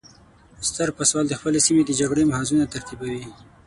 ستر پاسوال د خپلې سیمې د جګړې محاذونه ترتیبوي.